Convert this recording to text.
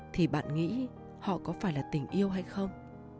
thì bạn nghĩ họ có phải là tình yêu hay không